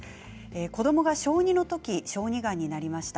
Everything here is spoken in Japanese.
子どもが小２の時小児がんになりました。